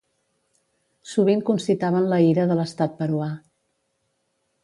Sovint concitaven la ira de l'estat peruà.